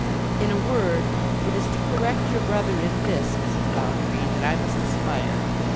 'In a word, it is to correct your brother in this, Mrs. Bounderby, that I must aspire.